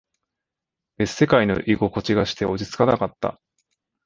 別世界の居心地がして、落ち着かなかった。